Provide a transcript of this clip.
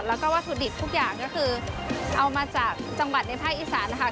แล้วก็วัตถุดิบทุกอย่างก็คือเอามาจากจังหวัดในภาคอีสานนะคะ